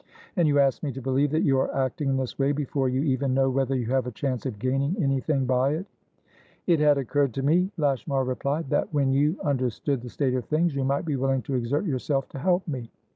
And you ask me to believe that you are acting in this way before you even know whether you have a chance of gaining anything by it?" "It had occurred to me," Lashmar replied, "that, when you understood the state of things, you might be willing to exert yourself to help me.